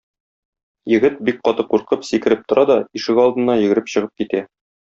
Егет, бик каты куркып, сикереп тора да ишегалдына йөгереп чыгып китә.